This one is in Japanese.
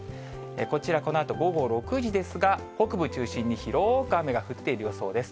こちらこのあと午後６時ですが、北部を中心に広く雨が降っている予想です。